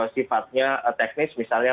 sifatnya teknis misalnya